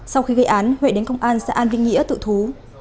sau khi gây án huệ đến công an xã an vinh nghĩa tự thú